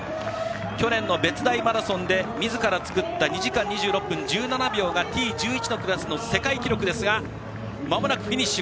去年の別大マラソンでみずから作った２時間２６分１７秒がＴ１１のクラスの世界記録ですがまもなくフィニッシュ。